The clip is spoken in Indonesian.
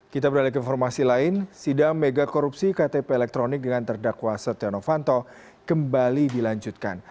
kita beralih ke informasi lain sidang mega korupsi ktp elektronik dengan terdakwa setia novanto kembali dilanjutkan